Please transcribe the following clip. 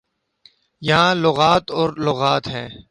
یہاں لغات اور لغات ہے۔